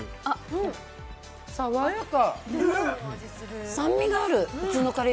爽やか！